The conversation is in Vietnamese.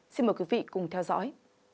xin mời quý vị cùng theo dõi